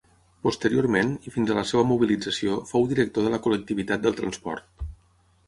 Posteriorment, i fins a la seva mobilització, fou director de la col·lectivitat del transport.